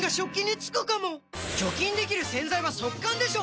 除菌できる洗剤は速乾でしょ！